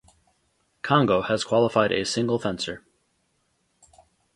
Congo has qualified a single fencer.